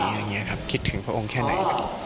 อย่างเงี้ยครับคิดถึงพระองค์แค่ไหน